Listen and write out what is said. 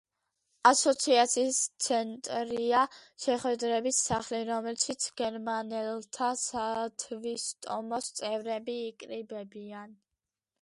ასოციაციის ცენტრია „შეხვედრების სახლი“, რომელშიც გერმანელთა სათვისტომოს წევრები იკრიბებიან.